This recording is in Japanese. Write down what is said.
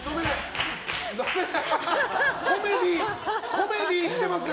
コメディーしてますね。